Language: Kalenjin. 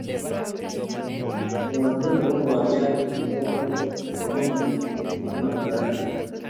ng'wonindo nebo kwariat, mokto, koamin met ak mang'dae